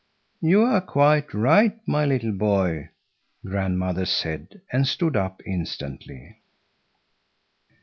"You are quite right, my little boy," grandmother said, and stood up instantly.